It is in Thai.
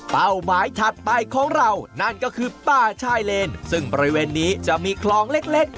หมายถัดไปของเรานั่นก็คือป่าชายเลนซึ่งบริเวณนี้จะมีคลองเล็กเล็ก